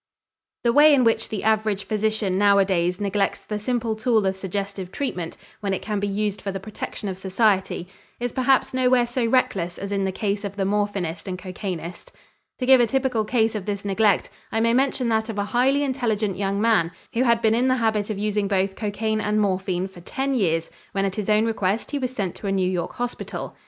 The way in which the average physician nowadays neglects the simple tool of suggestive treatment, when it can be used for the protection of society, is perhaps nowhere so reckless as in the case of the morphinist and cocainist. To give a typical case of this neglect I may mention that of a highly intelligent young man who had been in the habit of using both cocaine and morphine for ten years when at his own request he was sent to a New York hospital.